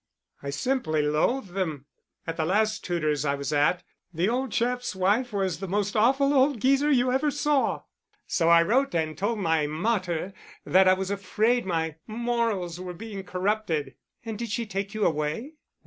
"I simply loathe them. At the last tutor's I was at, the old chap's wife was the most awful old geezer you ever saw. So I wrote and told my mater that I was afraid my morals were being corrupted." "And did she take you away?"